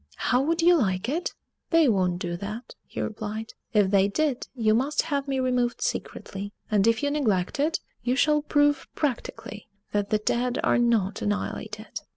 "How would you like it?" "They won't do that," he replied; "if they did, you must have me removed secretly; and if you neglect it, you shall prove practically that the dead are not annihilated!"